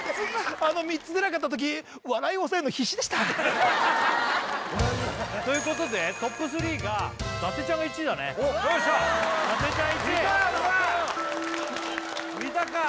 あの３つ出なかった時笑い抑えるの必死でしたということでトップ３が伊達ちゃんが１位だねよっしゃおらーえっ？